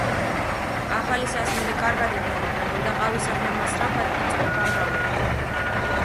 ახალი სასმელი კარგად იქნა მიღებული და ყავის სახლებმა სწრაფად იწყო გამრავლება.